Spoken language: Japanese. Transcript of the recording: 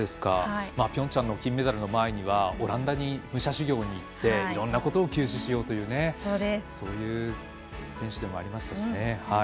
ピョンチャンの金メダルの前にはオランダに武者修行に行っていろんなことを吸収しようというそういう選手でもありました。